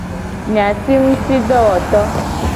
Nyatingutidowoto.